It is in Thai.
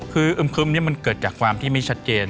คืออึมคึ้มนี่มันเกิดจากความที่ไม่ชัดเจน